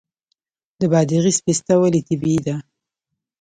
د بادغیس پسته ولې طبیعي ده؟